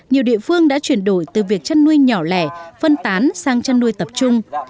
nhiều địa phương đã chuyển đổi từ việc chăn nuôi nhỏ lẻ phân tán sang chăn nuôi tập trung